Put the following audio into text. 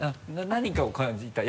何かを感じた？